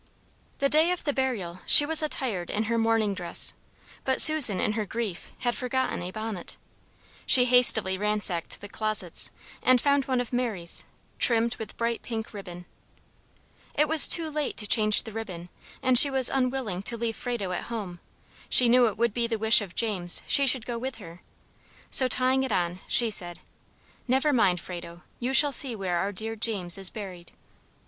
The day of the burial she was attired in her mourning dress; but Susan, in her grief, had forgotten a bonnet. She hastily ransacked the closets, and found one of Mary's, trimmed with bright pink ribbon. It was too late to change the ribbon, and she was unwilling to leave Frado at home; she knew it would be the wish of James she should go with her. So tying it on, she said, "Never mind, Frado, you shall see where our dear James is buried."